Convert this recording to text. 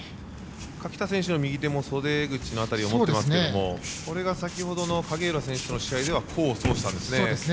垣田選手の右手も袖口の辺りを持っていますけれども、これが先ほどの影浦選手との試合では功を奏したんですね。